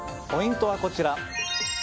ポイントはこちら。